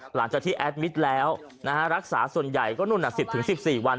หลังจากที่แอดมิตรแล้วรักษาส่วนใหญ่ก็นู่น๑๐๑๔วัน